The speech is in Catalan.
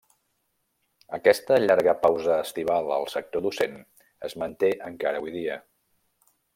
Aquesta llarga pausa estival al sector docent es manté encara avui dia.